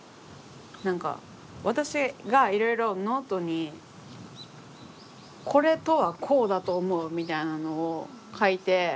何か私がいろいろノートに「これとはこうだと思う」みたいなのを書いて。